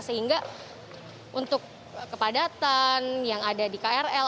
sehingga untuk kepadatan yang ada di krl